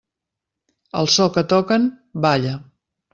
Al so que toquen, balla.